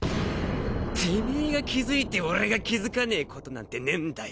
てめが気付いて俺が気付かねことなんてねぇんだよ。